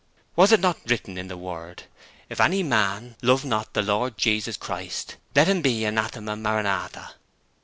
Was it not written in the Word: 'If any man love not the Lord Jesus Christ, let him be Anathema Maran atha.'